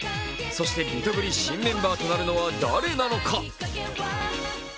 そしてリトグリ新メンバーとなるのは誰なのか？